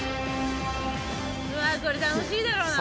うわー、これ楽しいだろうな。